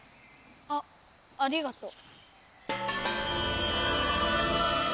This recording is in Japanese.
あっありがとう。